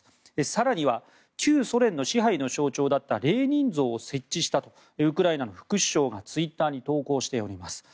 更には、旧ソ連の支配の象徴だったレーニン像を設置したとウクライナの副首相がツイッターに投稿しています。